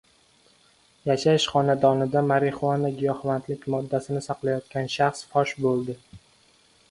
Yashash xonadonida «marixuana» giyohvandlik moddasini saqlayotgan shaxs fosh bo‘ldi